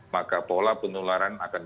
maka pola penularan akan